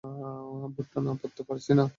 বোর্ডটা না পড়তে পারছি না।